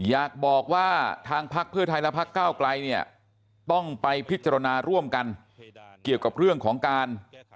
อยากบอกว่าทางพักเพื่อไทยและพักเก้าไกลเนี่ยต้องไปพิจารณาร่วมกันเกี่ยวกับเรื่องของการ